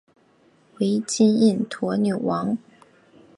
为金印驼纽王。